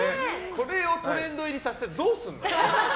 これをトレンド入りさせてどうするの？